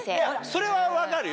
それは分かるよ。